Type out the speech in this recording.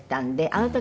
あの時。